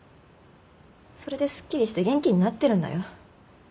それですっきりして元気になってるんだよ。